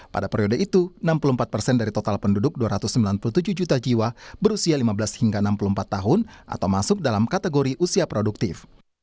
pada periode itu enam puluh empat persen dari total penduduk dua ratus sembilan puluh tujuh juta jiwa berusia lima belas hingga enam puluh empat tahun atau masuk dalam kategori usia produktif